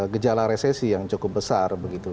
gejala resesi yang cukup besar begitu